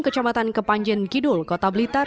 kecamatan kepanjen kidul kota blitar